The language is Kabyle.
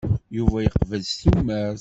Yuba yeqbel s tumert.